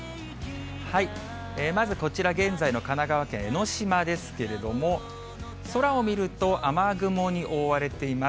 まずこちら、現在の神奈川県江の島ですけれども、空を見ると雨雲に覆われています。